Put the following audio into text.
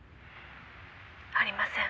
「ありません」